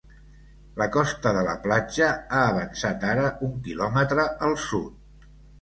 La costa de la platja ha avançat ara un quilòmetre al sud.